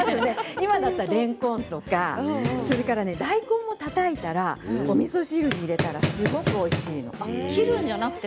今だったられんこんとか大根もたたいたらおみそ汁に入れるとすごくおいしい。